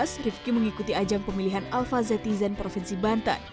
pada dua ribu tujuh belas rifqi mengikuti ajang pemilihan alpha ztz provinsi bantan